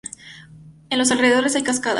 En los alrededores hay cascadas.